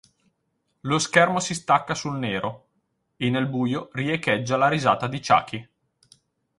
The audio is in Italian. Lo schermo si stacca sul nero e nel buio riecheggia la risata di Chucky.